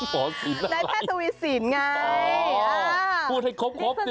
หมอสินอะไรอ๋อพูดให้ครบสิ